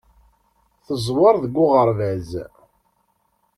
Teẓwer deg uɣerbaz.